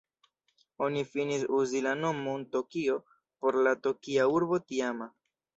Oni finis uzi la nomon "Tokio" por la Tokia Urbo tiama.